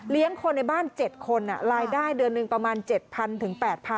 คนในบ้าน๗คนรายได้เดือนหนึ่งประมาณ๗๐๐ถึง๘๐๐